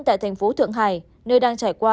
tại thành phố thượng hải nơi đang trải qua